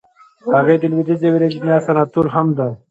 هغه د لويديځې ويرجينيا سناتور هم دی.